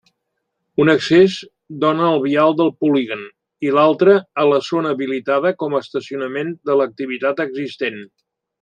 Un accés dóna al vial del polígon i l'altre a la zona habilitada com a estacionament de l'activitat existent.